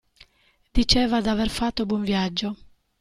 Diceva d'aver fatto buon viaggio.